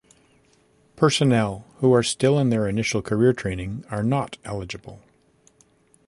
Personnel who are still in their initial career training are not eligible.